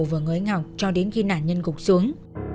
vào người anh học cho đến khi nạn nhân cục xuống